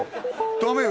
ダメよ